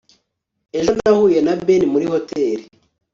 ejo nahuye na ben muri hoteri